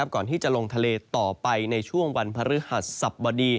ก่อนที่จะลงทะเลต่อไปในวันพระฤาษฎร์ศัพต์บดิ